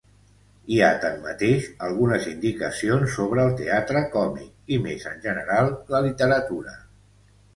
Hi ha, tanmateix, algunes indicacions sobre el teatre còmic i, més en general, la literatura.